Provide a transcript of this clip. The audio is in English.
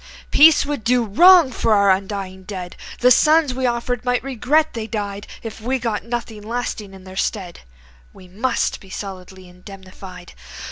Peace would do wrong to our undying dead, The sons we offered might regret they died If we got nothing lasting in their stead. We must be solidly indemnified.